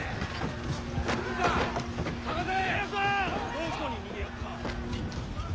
どこに逃げおった！